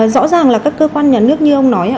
rõ ràng là các cơ quan nhà nước như ông nói